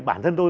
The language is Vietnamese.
bản thân tôi